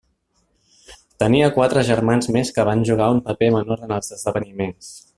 Tenia quatre germans més que van jugar un paper menor en els esdeveniments.